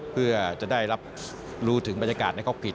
เพื่อจะได้รู้ถึงบรรยากาศในครอบคริสต์